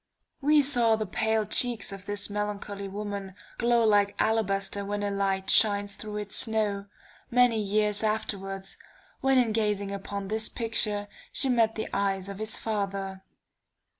We saw the pale cheeks of this melancholy woman, glow like alabaster when a light shines through its snow, many years afterwards, when in gazing upon this picture, she met the eyes of his father.